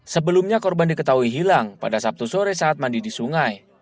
sebelumnya korban diketahui hilang pada sabtu sore saat mandi di sungai